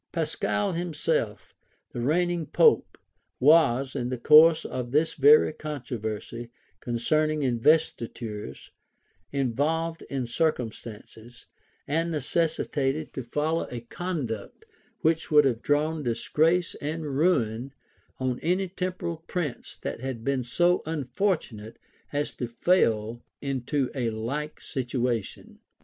Pascal himself, the reigning pope, was, in the course of this very controversy concerning investitures, involved in circumstances, and necessitated to follow a conduct which would have drawn disgrace and ruin on any temporal prince that had been so unfortunate as to fail into a like situation.